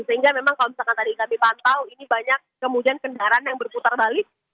sehingga memang kalau misalkan tadi kami pantau ini banyak kemudian kendaraan yang berputar balik